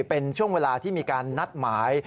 เป็นช่วงเวลาที่มีการนัดหมาย